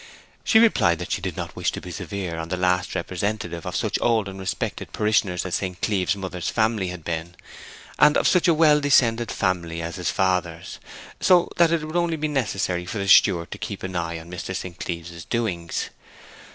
She replied that she did not wish to be severe on the last representative of such old and respected parishioners as St. Cleeve's mother's family had been, and of such a well descended family as his father's; so that it would only be necessary for the steward to keep an eye on Mr. St. Cleeve's doings.